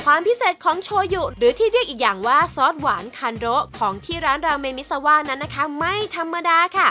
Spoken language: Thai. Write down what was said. ความพิเศษของโชยุหรือที่เรียกอีกอย่างว่าซอสหวานคานโดของที่ร้านราเมมิซาว่านั้นนะคะไม่ธรรมดาค่ะ